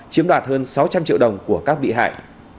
chiếm đoạt hơn sáu trăm linh triệu đồng của các bị hại